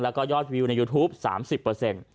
แล้วก็ยอดวิวในยูทูป๓๐เปอร์เซ็นต์